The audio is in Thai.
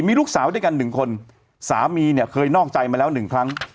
มีลูกสาวด้วยกันหนึ่งคนสามีเนี่ยเคยนอกใจมาแล้วหนึ่งครั้ง